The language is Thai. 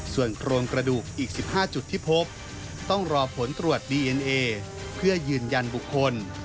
ส่วนโครงกระดูกอีก๑๕จุดที่พบต้องรอผลตรวจดีเอ็นเอเพื่อยืนยันบุคคล